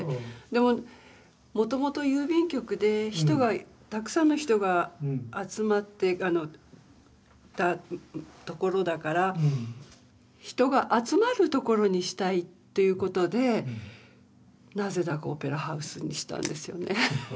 でももともと郵便局でたくさんの人が集まってた所だから人が集まる所にしたいということでなぜだかオペラハウスにしたんですよね。